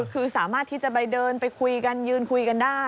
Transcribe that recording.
คือสามารถที่จะไปเดินไปคุยกันยืนคุยกันได้